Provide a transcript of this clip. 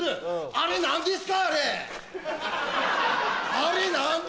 あれ何ですか？